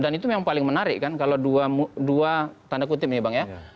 dan itu yang paling menarik kan kalau dua tanda kutip ini bang ya